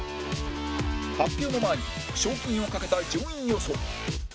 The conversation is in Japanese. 発表の前に賞金を懸けた順位予想